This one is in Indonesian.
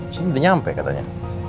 cini udah nyampe katanya